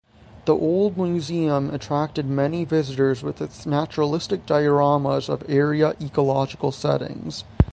The old museum attracted many visitors with its naturalistic dioramas of area ecological settings.